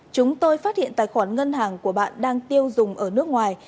chúng tôi phát hiện tài khoản ngân hàng của bạn đang tiêu dùng ở nước ngoài